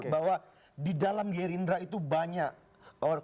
bahwa di dalam gerindra itu banyak orang